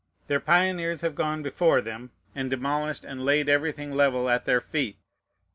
Their pioneers have gone before them, and demolished and laid everything level at their feet.